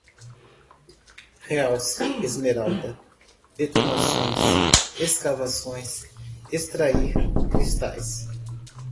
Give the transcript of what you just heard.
realce, esmeralda, detonações, escavações, extrair, cristais